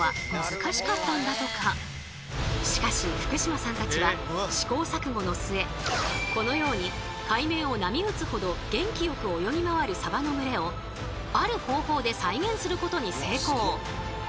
しかし福島さんたちは試行錯誤の末このように海面を波打つほど元気よく泳ぎ回るサバの群れをある方法で再現することに成功！